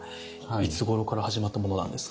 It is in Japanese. いつごろから始まったものなんですか？